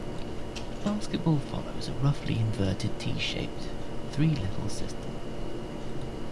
Basketball follows a roughly inverted-T-shaped three-level system.